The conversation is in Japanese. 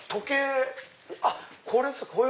あっこれですね！